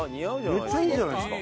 めっちゃいいじゃないですか！